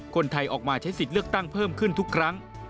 คนไทยออกมาใช้สิทธิ์เลือกตั้งเพิ่มขึ้นทุกครั้ง